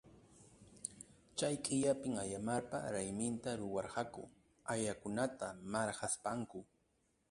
Chay killapim Ayamarpa rayminta ruwarqaku, ayakunata marqaspanku.